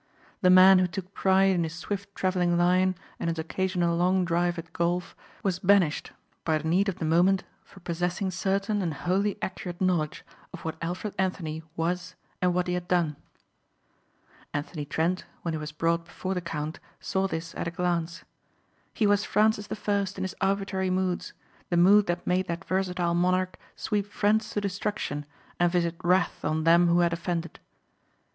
The man who took pride in his swift travelling Lion and his occasional long drive at golf was banished by the need of the moment for possessing certain and wholly accurate knowledge of what Alfred Anthony was and what he had done. Anthony Trent when he was brought before the count saw this at a glance. He was Francis the First in his arbitrary moods, the mood that made that versatile monarch sweep friends to destruction and visit wrath on them who had offended.